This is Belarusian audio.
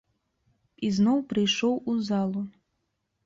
Ізноў прыйшоў у залу.